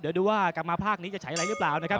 เดี๋ยวดูว่ากลับมาภาคนี้จะใช้อะไรหรือเปล่านะครับ